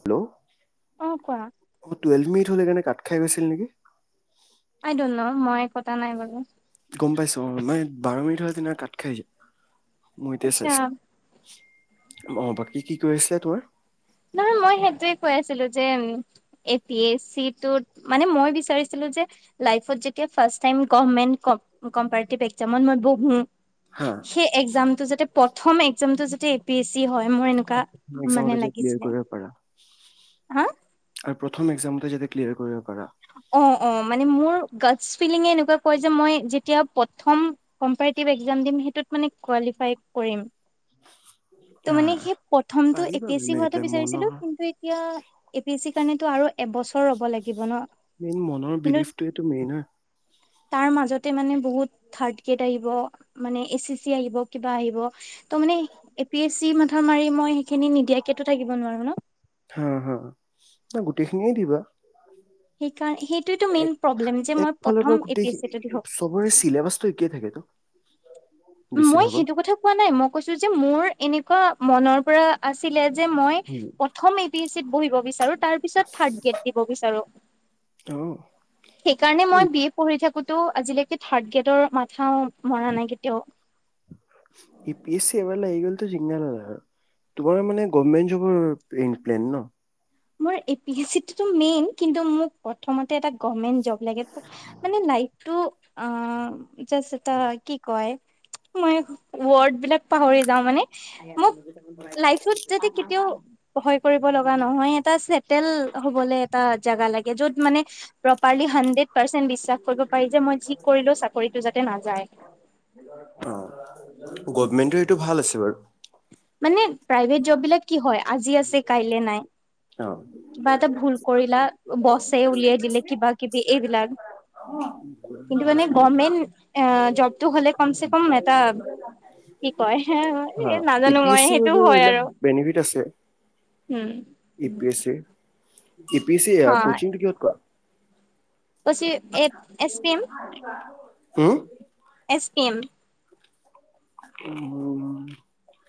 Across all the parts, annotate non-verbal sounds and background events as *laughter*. Hello, অ কোৱা অহ ', টুৱেল মিট হ'লে কেনে কাত খাই গৈছিল নেকি? কতা নাই বলা গম পাইছো মানে বাৰ মিনিট হলে তেনে কাত খাই আহিছে। মই এতিয়া আচ্ছা চাইছো। অহ ', বাকী কি কৰি আছিলে তাৰ? মই সেইটোয়ে কৈ আছিলোঁ যে এ পি এছ ছি টোত মানে মই বিচাৰিছিলোঁ যে লাইভত যেতিয়া first time government competitive exam. হা সেই এক্সামটো যাতে প্ৰথম এক্সামটো। এ পি এছ ছি হয়। মই এনেকুৱা মানে লাগ। ক্লেয়াৰ কৰিব পাৰা আৰু প্ৰথম এক্সাম ক্লিয়াৰ কৰিব পাৰা। অহ - অহ মানে মোৰ গৰ্টছ ফিলিংয়ে এনেকুৱা কয় যে মই যেতিয়া প্ৰথম কম্পপিটিপ এক্সাম দিম সেটোত মানে কোৱালিফাই কৰিম। ত' হা মানে সেই প্ৰথমতটো এ পাৰিবা পি এছ তুমি চি হোৱাটো এইবিলাক মনৰ বিচাৰিছিলো কিন্তু এতিয়া। এ পি এছ চিৰ কাৰণেতো আৰু এবছৰ ৰ'ব লাগিব ন। মেইন মনৰ কিন্তু বিলিফটো এইটো মেইন। তাৰ মাজত মানে বহুত থাৰ গিৰেদ আহিব মানে এ চি চি আহিব কিবা আহিব তহ মানে এ পি এছ চি মাথা মাৰি মই সেইখিনি নিদিয়াকো থাকিব নোৱাৰো ন হা হা নাই গোটেইখিনিয়ে দিবা সেইকাৰণে সেইটোৱেটো মেইন এক প্ৰব্লেম যে মই একফালৰ প্ৰথম পৰা এ পি গোটেই এছ চিটো দিওঁ চবৰে চিলবছটো এই থাকে ন? মই সেইটো কথা কোৱা নাই মই কৈছো যে মোৰ এনেকুৱা মনৰ পৰা আছে ছিলে যে যে মই উম, প্ৰথম এ পি এ চি ত বহিব বিচাৰো তাৰ পিছত থাৰ্ড গ্ৰেডৰ দিব বিচাৰো। অ' সেইকাৰণে এই মই বিএ পঢ়ি থাকোঁতে তটো আজিলৈকে থাৰ্ড গ্ৰেডৰ মাথাও মৰা নাই কেতিয়াও ইউ পি এছি এবাৰ লাগি গ'লে টো জিঙগা লালা আৰু তোমাৰ মানে গৰ্মেট জবৰ প্লেন ন মই এই পি এ ছি টো মেইন কিন্তু মোক প্ৰথমতে গৰ্মেনত জব লাগে মানে লাইফটো আম জচ এটা কি কয় মই ৱৰ্ড বিলাক পাহৰি যাও মানে মোক লাইফত যাতে কেতিয়াও ভয় কৰিব লগা নহয় *unintelligible* এটা চেটেল হবলৈ এটা জাগা লাগে যত মানে প্ৰপাৰলি হাড্ৰেড পাৰ্চেন্ বিশ্বাস কৰিব পাৰি যে মই যি কৰিলো চাকৰিটো যাতে নাযায় অ' গভমেন্টৰ এইটো ভাল আছে বাৰু মানে প্ৰাইভেট জব বিলাক কি হয় আজি আছে কাইলে নাই অ' কিবা এটা ভুল কৰিলা বছে উলিয়াই দিলে কিবা কিবি এইবিলাক কিন্তু মানে গভমেন্ট জবটো হ'লে কমচে কম এটা কি কয় উ নাজানো পি এ মই ছি সেইটো হয় এইবিলাক আৰু বেনিফিট ঠিকে আছে উম ই পি এছ চিৰ ই পি এ ছি হয় কচিংটো ক'ত কৰা? কৈছি A S P M *unintelligible* home S P M উম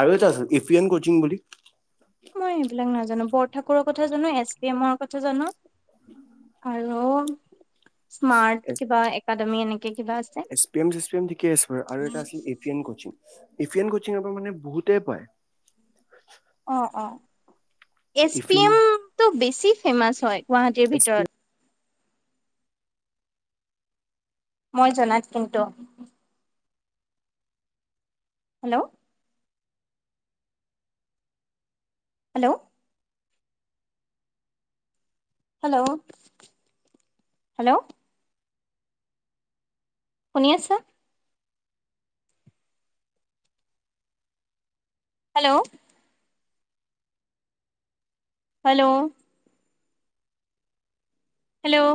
আৰু এটা আছে ইফিয়েন কচিং বুলি মই এইবিলাক নাজানো বৰঠাকুৰৰ কথা জানো, এছ পি এমৰ কথা জানো আৰু স্মাৰ্ট কিবা একাডেমি এনে এছ পি এম চে, চ পি এম থিকে আছে বাৰু আৰু এটা আছিল এ পি এম কচিং এফিয়ান কচিঙৰ পৰা মানে বহুতে পায় অ', অ'। এছ পি এফিয়ান এমটো বেছিক ফেমাছ হয়। গুৱাহাটীৰ এছ পি এন এছ ভিতৰত। মই জনাত কিন্তু। হেল্ল'। হেল্ল'। Hello, hello. শুনি আছা? হেল্ল'। হেল্ল'। হেল্ল'।